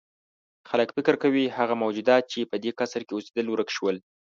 خلک فکر کوي هغه موجودات چې په دې قصر کې اوسېدل ورک شول.